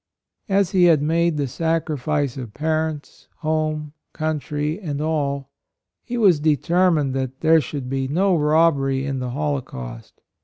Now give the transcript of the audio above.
As he had made the sacrifice of parents, home, coun try and all, he was determined that there should be " no robbery in the holocaust."